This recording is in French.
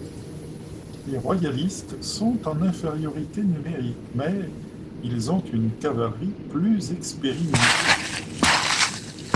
Les royalistes sont en infériorité numérique, mais ils ont une cavalerie plus expérimentée.